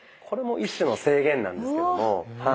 これも一種の制限なんですけども。